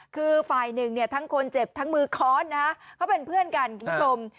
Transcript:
คือฝ่ายหนึ่งเนี่ยทั้งคนเจ็บทั้งมือค้อนนะเขาเป็นเพื่อนกันคุณผู้ชม